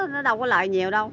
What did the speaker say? nó đâu có lợi nhiều đâu